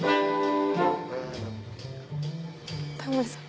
タモさん。